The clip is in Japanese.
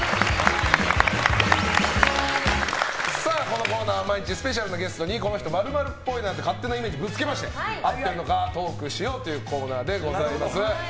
このコーナーは毎日スペシャルなゲストにこの人○○っぽいという勝手なイメージをぶつけまして合ってるのかトークしようというコーナーでございます。